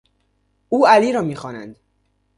او را علی میخوانند.